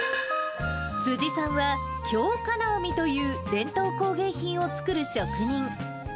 辻さんは、京金網という伝統工芸品を作る職人。